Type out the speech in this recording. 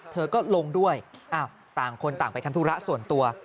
เธอก็ลงด้วยต่างคนต่างไปทำธุระส่วนตัว